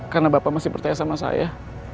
karena bapak masih bertaya sama saya